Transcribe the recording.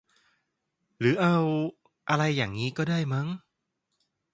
หรือเอา อะไรอย่างงี้ก็ได้มั้ง